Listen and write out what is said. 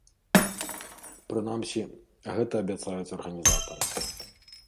Прынамсі, гэта абяцаюць арганізатары.